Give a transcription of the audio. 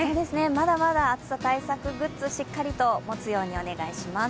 まだまだ暑さ対策グッズ、しっかり持つようにお願いします。